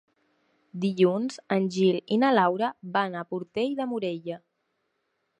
Dilluns en Gil i na Laura van a Portell de Morella.